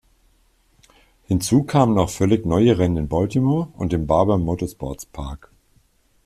Hinzu kamen auch völlig neue Rennen in Baltimore und dem Barber Motorsports Park.